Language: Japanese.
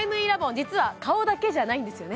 実は顔だけじゃないんですよね